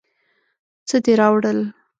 څه دې راوړل.